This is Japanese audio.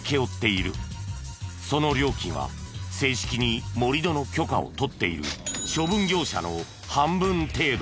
その料金は正式に盛り土の許可を取っている処分業者の半分程度。